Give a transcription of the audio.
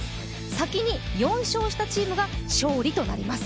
先に４勝したチームが勝利となります。